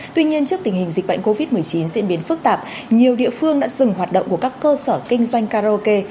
tuy nhiên trước tình hình dịch bệnh covid một mươi chín diễn biến phức tạp nhiều địa phương đã dừng hoạt động của các cơ sở kinh doanh karaoke